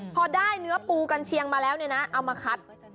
พอได้เนื้อปูกัญเชียงมาแล้วเอามาคัด